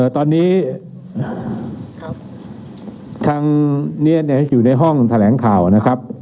ตอนนี้ทางเนียนอยู่ในห้องแถลงข่าวนะครับ